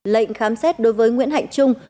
lệnh khám xét đối với nguyễn hạnh trung